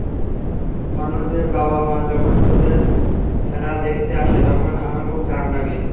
অন্যদের বাবা-মা যখন তাদের দেখতে আসে তখন আমার খুব খারাপ লাগে।